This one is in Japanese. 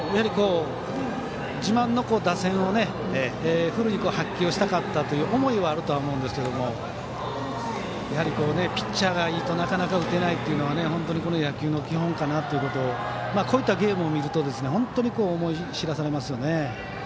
自慢の打線をフルに発揮をしたかったという思いはあると思いますがピッチャーがいいとなかなか打てないというのは本当に野球の基本かなというのをこういったゲームを見ると本当に思い知らされますね。